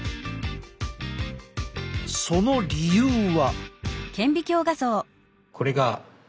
その理由は。